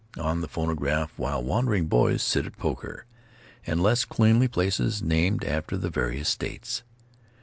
on the phonograph while wandering boys sit at poker; and less cleanly places, named after the various states.